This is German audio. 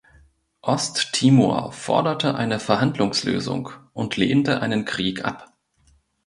Osttimor forderte eine Verhandlungslösung und lehnte einen Krieg ab.